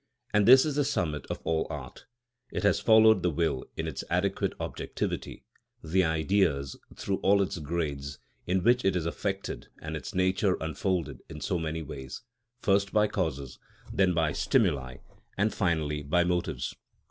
And this is the summit of all art. It has followed the will in its adequate objectivity, the Ideas, through all its grades, in which it is affected and its nature unfolded in so many ways, first by causes, then by stimuli, and finally by motives.